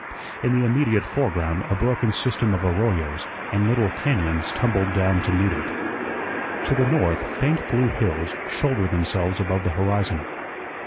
In the immediate foreground a broken system of arroyos, and little cañóns tumbled down to meet it. To the north faint blue hills shouldered themselves above the horizon.